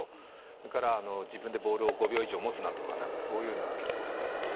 それから自分でボールを５秒以上持つな」とかそういうのは結構言われました。